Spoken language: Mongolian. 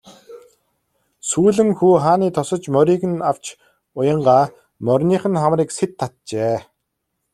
Сүүлэн хүү хааны тосож морийг нь авч уянгаа мориных нь хамрыг сэт татжээ.